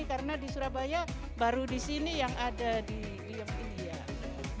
karena di surabaya baru disini yang ada di liang liang